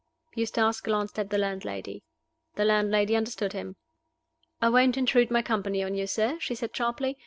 Eustace glanced at the landlady. The landlady understood him. "I won't intrude my company on you, sir," she said, sharply.